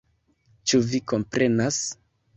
Ĉu vi komprenas?